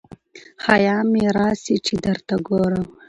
حیا مي راسي چي درته ګورم